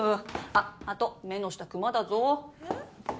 あと目の下クマだぞえっ？